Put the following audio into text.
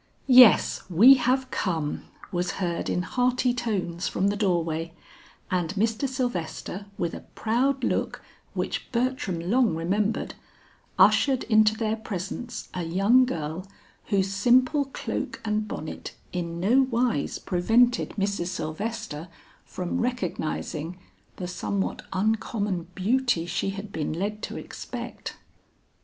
"Yes, we have come," was heard in hearty tones from the door way, and Mr. Sylvester with a proud look which Bertram long remembered, ushered into their presence a young girl whose simple cloak and bonnet in no wise prevented Mrs. Sylvester from recognizing the somewhat uncommon beauty she had been led to expect.